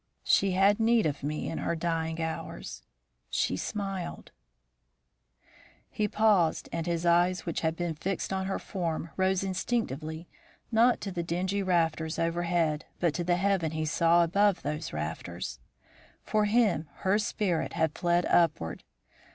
"She had need of me in her dying hours; she smiled " He paused, and his eyes, which had been fixed on her form, rose instinctively, not to the dingy rafters overhead, but to the heaven he saw above those rafters. For him her spirit had fled upward.